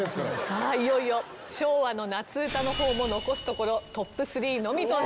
さあいよいよ昭和の夏うたの方も残すところトップ３のみとなりました。